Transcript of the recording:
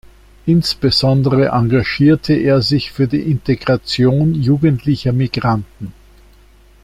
Insbesondere engagierte er sich für die Integration jugendlicher Migranten.